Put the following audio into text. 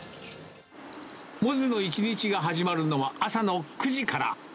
百舌の一日が始まるのは朝の９時から。